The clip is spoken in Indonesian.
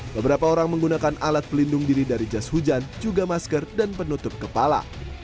beberapa orang menggunakan alat pelindung diri dari jas hujan juga masker dan penutup kepala